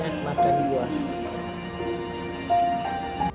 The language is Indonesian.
jangan lupa untuk berikan uang